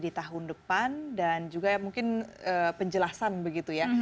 di tahun depan dan juga mungkin penjelasan begitu ya